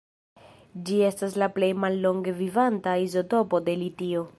Ĝi estas la plej mallonge vivanta izotopo de litio.